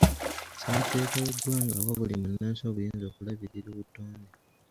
Ssemateeka w’eggwanga awa buli munnansi obuyinza okulabirira obutonde.